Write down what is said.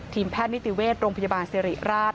ทีมแพทย์นิติเวชโรงพยาบาลสิริราช